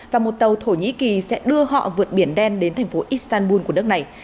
và một tàu thổ nhĩ kỳ sẽ đưa họ vượt biển đen đến thành phố istanbul của nước này